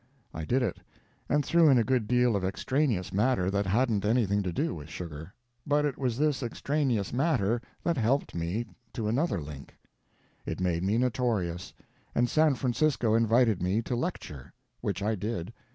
I did it; and threw in a good deal of extraneous matter that hadn't anything to do with sugar. But it was this extraneous matter that helped me to another link. It made me notorious, and San Francisco invited me to lecture. Which I did.